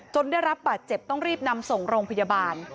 ได้รับบาดเจ็บต้องรีบนำส่งโรงพยาบาล